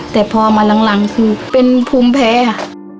แต่พอมาหลังคือเป็นภูมิแพ้ค่ะ